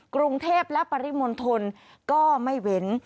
กรุงเทพและปริมณฑลก็ไม่เว้น